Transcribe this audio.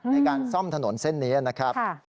ในการซ่อมถนนเส้นนี้นะครับ